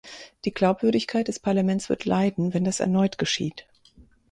Die Glaubwürdigkeit des Parlaments wird leiden, wenn das erneut geschieht.